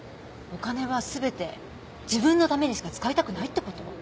お金は全て自分のためにしか使いたくないってこと？